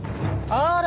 あれ。